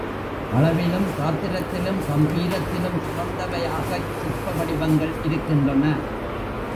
அளவிலும் காத்திரத்திலும் கம்பீரத்திலும் சிறந்தவையாகச் சிற்பவடிவங்கள் இருக்கின்றன.